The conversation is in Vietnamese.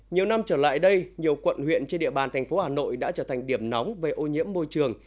nhiều năm trở lại đây nhiều quận huyện trên địa bàn thành phố hà nội đã trở thành điểm nóng về ô nhiễm môi trường